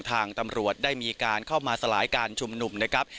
ทางตำรวจได้มีการเข้ามาสลายการชุมนุมนะครับ